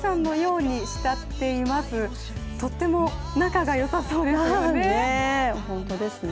とても仲がよさそうですよね。